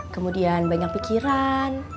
kemudian banyak pikiran